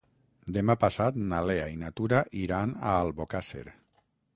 Demà passat na Lea i na Tura iran a Albocàsser.